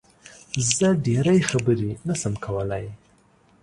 زه ډېری خبرې نه شم کولی